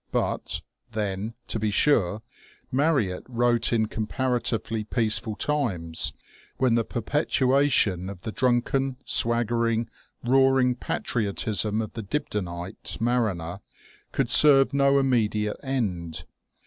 But, then, to be sure, Marryat wrote in compara tively peaceful times, when the perpetuation of the drunken, swaggering, roaring patriotism of the Dibdinite mariner could serve no immediate end.